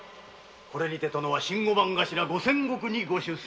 これにて殿は新御番頭五千石にご出世。